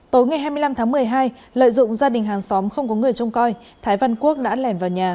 tối ngày hai mươi năm tháng một mươi hai lợi dụng gia đình hàng xóm không có người trông coi thái văn quốc đã lẻn vào nhà